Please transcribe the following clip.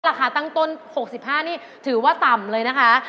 ตั้งต้น๖๕นี่ถือว่าต่ำเลยนะคะ